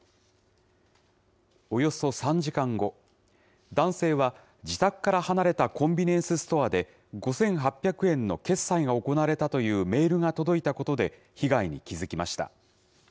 およそ３時間後、男性は、自宅から離れたコンビニエンスストアで、５８００円の決済が行われたというメールが届いたことで被害に気付きました。